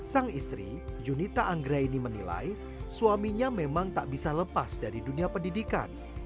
sang istri junita anggra ini menilai suaminya memang tak bisa lepas dari dunia pendidikan